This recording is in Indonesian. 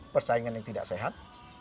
persaingan yang tidak sehat